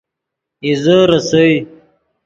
اِیزے ریسئے